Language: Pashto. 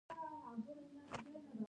بلخ ته نږدې سیمه کې یې ماتې وخوړه.